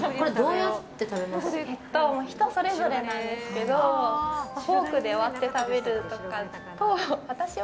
人それぞれなんですけどフォークで割って食べるとか。